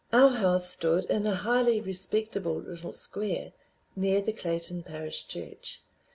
Our house stood in a highly respectable little square near the Clayton parish church.